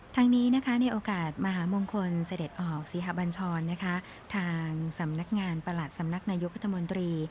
ทางนี้นะคะในโอกาสมหามงคลเสด็จออกศรีหบัญชรทางสำนักงานประหลัดสำนักนายกรัฐมนตรี